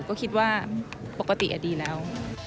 ก็คิดว่าปกติดีแล้ว